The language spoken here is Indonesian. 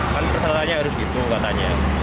kan persyaratannya harus gitu katanya